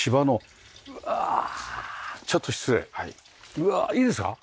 うわあいいですか？